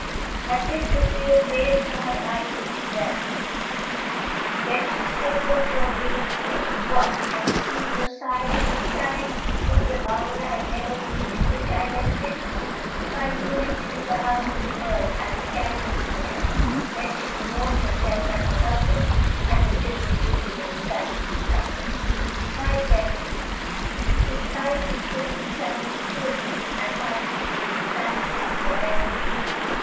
At this, the tears railed from her eyes and she wept; then she strained them to her bosom, saying, "What! Have you seen your sire at this time? Would the hour had never been, in which I left him! If I knew him to be in the house of the world, I would carry you to him." Then she bemoaned herself and her husband and her children weeping and reciting these couplets, "My friends, despight this distance and this cruelty, * I pine for you, incline to you where'er you be.